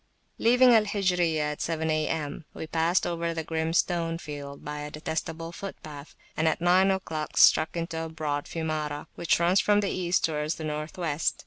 Leaving Al Hijriyah at seven A.M., we passed over the grim stone field by a detestable footpath, and at nine oclock struck into a broad Fiumara, which runs from the East towards the North West.